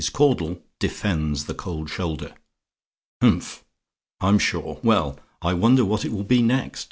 CAUDLE DEFENDS THE COLD SHOULDER "Umph! I'm sure! Well! I wonder what it will be next?